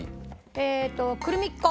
えーとクルミッ子。